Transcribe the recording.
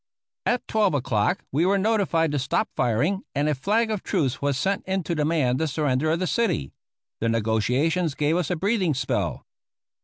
At twelve o'clock we were notified to stop firing and a flag of truce was sent in to demand the surrender of the city. The negotiations gave us a breathing spell.